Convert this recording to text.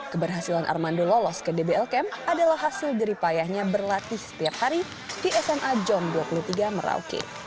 keberhasilan armando lolos ke dblkm adalah hasil jeripayahnya berlatih setiap hari di sma jom dua puluh tiga merauke